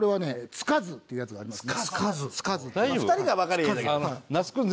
「つかず」っていうやつがありますね。